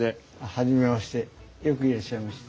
初めましてよくいらっしゃいました。